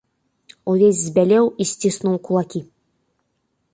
Увесь збялеў і сціснуў кулакі.